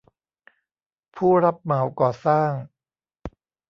ผู้รับเหมาก่อสร้าง